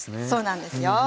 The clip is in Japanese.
そうなんですよ。